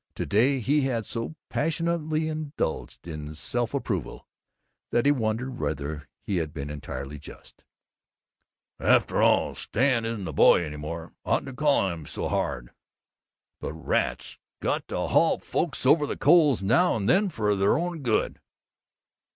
To day he had so passionately indulged in self approval that he wondered whether he had been entirely just: "After all, Stan isn't a boy any more. Oughtn't to call him so hard. But rats, got to haul folks over the coals now and then for their own good.